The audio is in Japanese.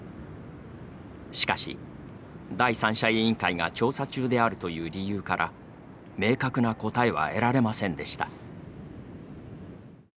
しかし、第三者委員会が調査中であるという理由から明確な答えは得られませんでした。